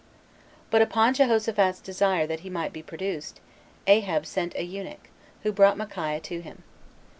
But upon Jehoshaphat's desire that he might be produced, Ahab sent a eunuch, who brought Micaiah to him.